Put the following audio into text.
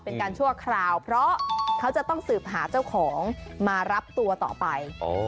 ชั่วคราวเพราะเขาจะต้องสืบหาเจ้าของมารับตัวต่อไป